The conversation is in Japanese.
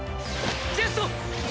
ジェスト！